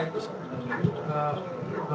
pukul sembilan malam itu apa